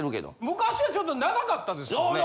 昔はちょっと長かったですよね？